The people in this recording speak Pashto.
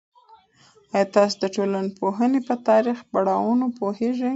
ایا تاسو د ټولنپوهنې په تاریخي پړاوونو پوهیږئ؟